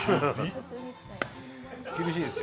厳しいです。